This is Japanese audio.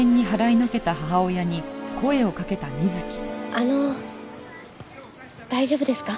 あの大丈夫ですか？